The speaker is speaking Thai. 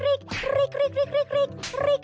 ริกริกริกริก